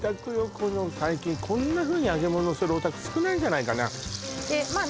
この最近こんなふうに揚げ物するお宅少ないんじゃないかなでまあ